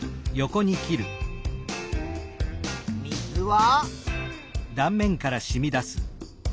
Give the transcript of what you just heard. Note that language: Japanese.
水は？